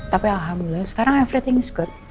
tapi alhamdulillah sekarang everything is good